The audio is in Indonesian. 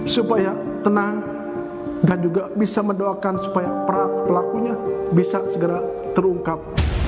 supaya tenang dan juga bisa mendoakan supaya pelakunya bisa segera terungkap